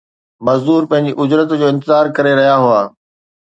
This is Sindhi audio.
مزدور پنهنجي اجرت جو انتظار ڪري رهيا هئا